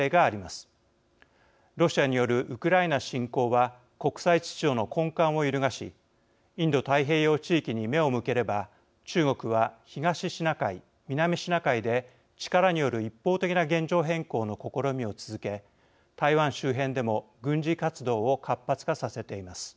ロシアによるウクライナ侵攻は国際秩序の根幹を揺るがしインド太平洋地域に目を向ければ中国は東シナ海南シナ海で力による一方的な現状変更の試みを続け台湾周辺でも軍事活動を活発化させています。